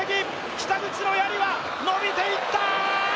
北口のやりはのびていった！